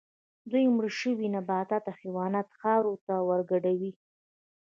دوی مړه شوي نباتات او حیوانات خاورې ته ورګډوي